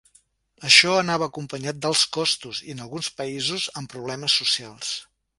Això anava acompanyat d'alts costos, i en alguns països amb problemes socials.